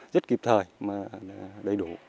rất kịp thời mà đầy đủ